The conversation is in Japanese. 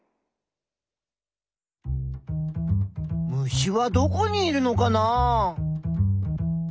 虫はどこにいるのかな？